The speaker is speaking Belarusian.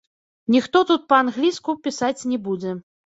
Ніхто тут па-англійску пісаць не будзе.